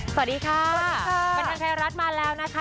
สวัสดีค่ะสวัสดีค่ะบรรเทิงไทยรัฐมาแล้วนะคะ